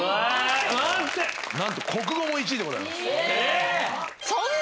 なんと国語も１位でございます。